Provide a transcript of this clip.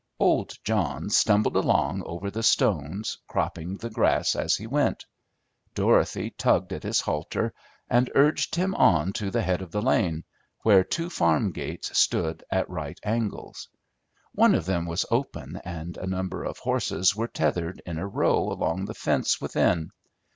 Old John stumbled along over the stones, cropping the grass as he went. Dorothy tugged at his halter and urged him on to the head of the lane, where two farm gates stood at right angles. One of them was open and a number of horses were tethered in a row along the fence within.